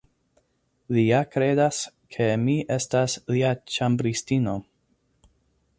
Li ja kredas ke mi estas lia ĉambristino.